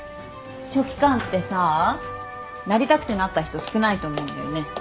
書記官ってさなりたくてなった人少ないと思うんだよね。